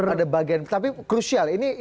ada bagian tapi krusial ini